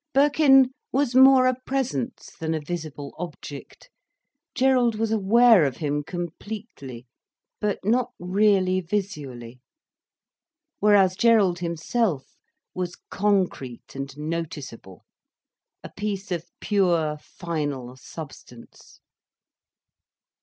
Birkin was more a presence than a visible object, Gerald was aware of him completely, but not really visually. Whereas Gerald himself was concrete and noticeable, a piece of pure final substance.